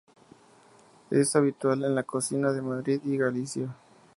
Es habitual en la cocina de Madrid y Galicia.